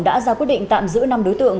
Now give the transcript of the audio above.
đã ra quyết định tạm giữ năm đối tượng